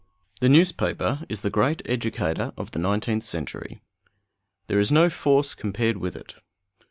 The newspaper is the great educator of the nineteenth century. There is no force compared with it.